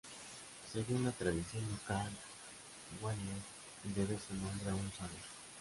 Según la tradición local, Gwalior debe su nombre a un sabio.